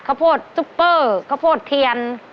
โพดซุปเปอร์ข้าวโพดเทียน